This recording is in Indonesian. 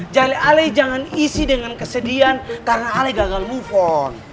jangan isi dengan kesedihan karena ale gagal move on